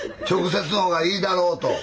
直接の方がいいだろうと。